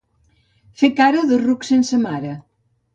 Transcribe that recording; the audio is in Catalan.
Fer cara de ruc sense mare.